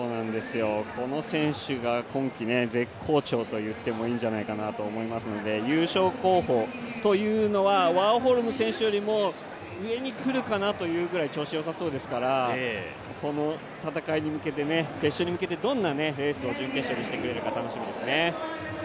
この選手が今季絶好調といってもいいんじゃないかなと思いますので優勝候補というのはワーホルム選手よりも上に来るかなというぐらい調子が良さそうですからこの戦いに向けて決勝に向けて、どんなレースを準決勝でしてくれるか楽しみですね。